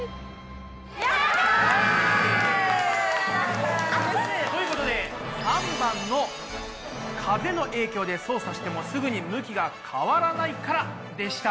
やった！ということで３番の「風の影響で操作してもすぐに向きが変わらないから」でした。